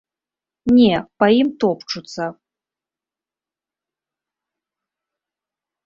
Не, па ім топчуцца.